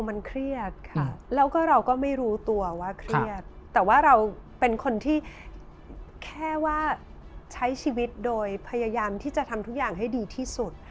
มันเครียดแล้วก็เราก็ไม่รู้ตัวว่าเครียดแต่ว่าเราเป็นคนที่แค่ว่าใช้ชีวิตโดยพยายามที่จะทำทุกอย่างให้ดีที่สุด